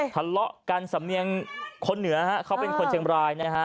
ทะเลาะกันสำเนียงคนเหนือฮะเขาเป็นคนเชียงบรายนะฮะ